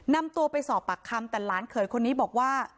นำตัวไปสอบปากคำแต่หลานเขยคนนี้บอกว่า